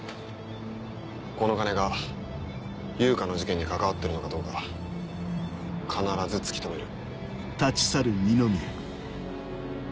この金が悠香の事件に関わってるのかどうか必ず突き止める。